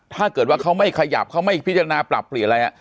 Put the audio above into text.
ถ้าเกิดว่าเขาไม่ขยับเขาไม่พิจารณาปรับเปลี่ยนอะไร